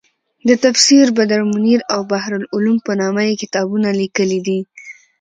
د تفسیر بدرمنیر او بحرالعلوم په نامه یې کتابونه لیکلي دي.